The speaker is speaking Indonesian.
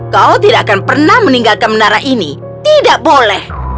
kau tidak akan pernah meninggalkan menara ini tidak boleh